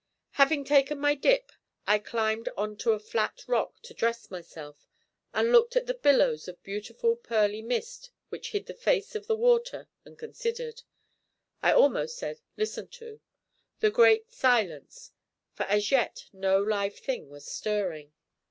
Having taken my dip I climbed on to a flat rock to dress myself, and looked at the billows of beautiful, pearly mist which hid the face of the water, and considered I almost said listened to the great silence, for as yet no live thing was stirring.